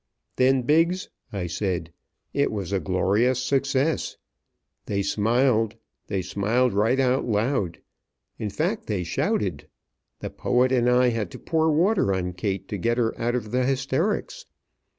"Then, Biggs," I said, "it was a glorious success. They smiled. They smiled right out loud. In fact, they shouted. The poet and I had to pour water on Kate to get her out of the hysterics.